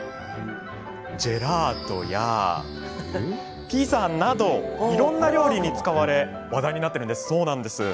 ジェラートやピザなどいろんな料理に使われ話題になっているんです。